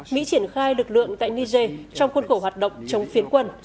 mỹ triển khai lực lượng tại niger trong khuôn khổ hoạt động chống phiến quân